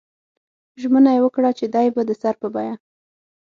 ژمنه یې وکړه چې دی به د سر په بیه.